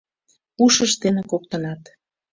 Ушышт дене коктынат